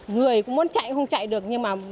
người cũng muốn chạy không chạy được nhưng mà